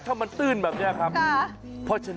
พอฉะนั้นระวังหัวเฮ้ยบอกไม่ถัด